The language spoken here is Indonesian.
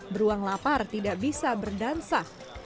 beruang lapar tidak bisa berdansa